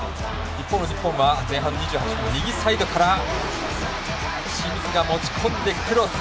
一方、日本は前半２８分、右サイドから清水が持ち込んで、クロス。